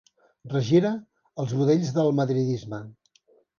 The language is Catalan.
Regira els budells del madridisme.